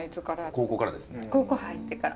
高校入ってから。